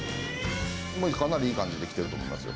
かなりいい感じできてると思いますよ。